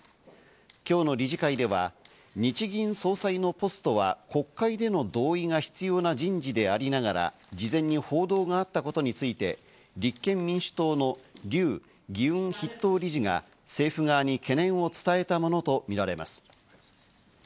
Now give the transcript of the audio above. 今日の理事会では日銀総裁のポストは国会での同意が必要な人事でありながら、事前に報道があったことについて、立憲民主党の笠議運筆頭理事が政府側に懸念を伝えたものとみられます。